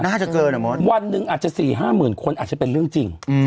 น่าจะเกินอ่ะมดวันหนึ่งอาจจะ๔๕หมื่นคนอาจจะเป็นเรื่องจริง